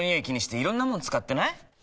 気にしていろんなもの使ってない？